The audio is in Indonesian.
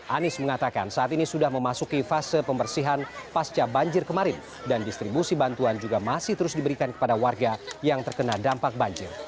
anies mengatakan saat ini sudah memasuki fase pembersihan pasca banjir kemarin dan distribusi bantuan juga masih terus diberikan kepada warga yang terkena dampak banjir